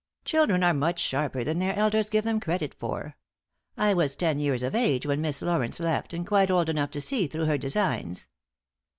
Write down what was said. "Children are much sharper than their elders give them credit for. I was ten years of age when Miss Laurence left and quite old enough to see through her designs."